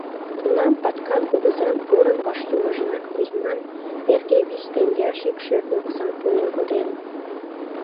Тунам Паткан кугызан порын вашлиймыжлан Кузьман эрге вич теҥгеаш ик шӧртньӧ оксам пуэн коден.